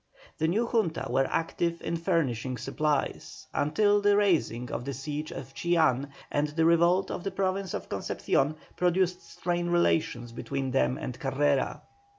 The new Junta were active in furnishing supplies until the raising of the siege of Chillán and the revolt of the province of Concepcion produced strained relations between them and Carrera.